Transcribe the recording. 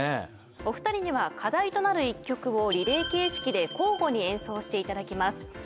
お二人には課題となる１曲をリレー形式で交互に演奏していただきます。